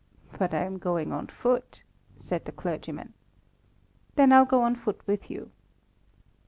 "But I am going on foot," said the clergyman. "Then, I'll go on foot with you."